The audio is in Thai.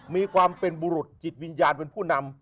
มีความเป็นบุรุษจิตวิญญาณเป็นผู้นำ